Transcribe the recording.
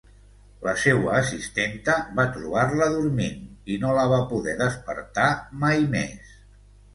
La seua assistenta va trobar-la dormint i no la va poder despertar mai més.